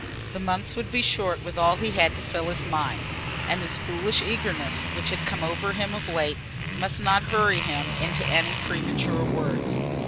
The months would be short with all he had to fill his mind, and this foolish eagerness which had come over him of late must not hurry him into any premature words.